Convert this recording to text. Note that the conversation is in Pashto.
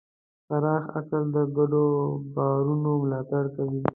پراخ عقل د ګډو باورونو ملاتړ کوي.